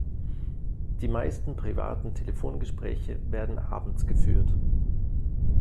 Die meisten privaten Telefongespräche werden abends geführt.